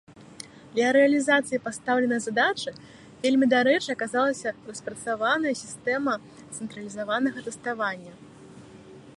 Для рэалізацыі пастаўленай задачы вельмі дарэчы аказалася распрацаваная сістэма цэнтралізаванага тэставання.